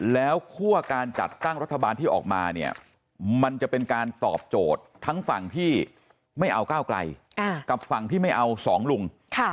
แล้วคั่วการจัดตั้งรัฐบาลที่ออกมาเนี่ยมันจะเป็นการตอบโจทย์ทั้งฝั่งที่ไม่เอาก้าวไกลกับฝั่งที่ไม่เอาสองลุง